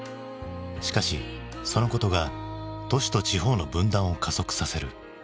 しかしそのことが都市と地方の分断を加速させる。